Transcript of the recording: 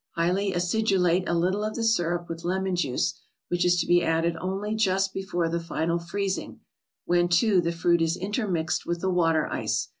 Highly acidulate a little of the syrup with lemon juice, which is to be added only just before the final freezing, when, too, the fruit is intermixed with the water ice.